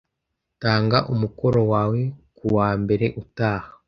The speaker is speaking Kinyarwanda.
Tanga umukoro wawe kuwa mbere utaha.